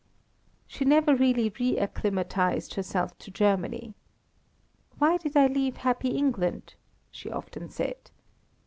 She never really re acclimatised herself to Germany. "Why did I leave happy England?" she often said.